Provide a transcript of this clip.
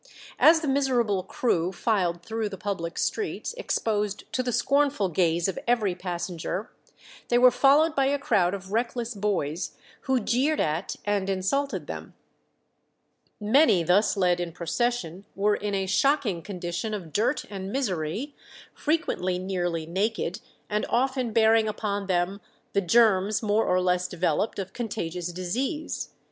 As the miserable crew filed through the public streets, exposed to the scornful gaze of every passenger, they were followed by a crowd of reckless boys, who jeered at and insulted them. Many thus led in procession were in a shocking condition of dirt and misery, frequently nearly naked, and often bearing upon them the germs, more or less developed, of contagious disease.